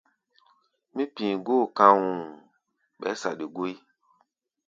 Mí pi̧i̧ góo ka̧u̧u̧, ɓɛɛ́ saɗi gúí.